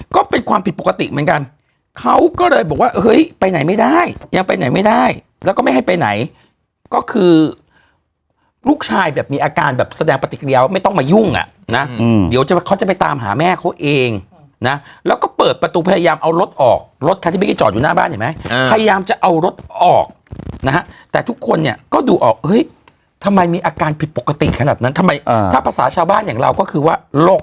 ก็คือลูกชายแบบมีอาการแบบแสดงปฏิกิริยาวไม่ต้องมายุ่งอ่ะนะอืมเดี๋ยวจะเขาจะไปตามหาแม่เขาเองนะแล้วก็เปิดประตูพยายามเอารถออกรถค่ะที่เบ๊กกี้จอดอยู่หน้าบ้านเห็นไหมอืมพยายามจะเอารถออกนะฮะแต่ทุกคนเนี้ยก็ดูออกเฮ้ยทำไมมีอาการผิดปกติขนาดนั้นทำไมอ่าถ้าภาษาชาวบ้านอย่างเราก็คือว่า